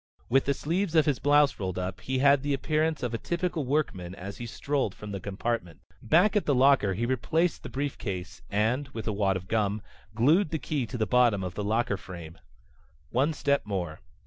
With the sleeves of his blouse rolled up he had the appearance of a typical workman as he strolled from the compartment. Back at the locker he replaced the briefcase and, with a wad of gum, glued the key to the bottom of the locker frame. One step more.